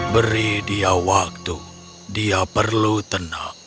beri dia waktu dia perlu tenang